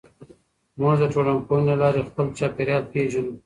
موږ د ټولنپوهنې له لارې خپل چاپېریال پېژنو.